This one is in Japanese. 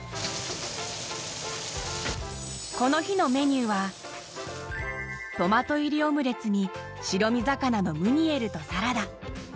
この日のメニューは、トマト入りオムレツに白身魚のムニエルとサラダ。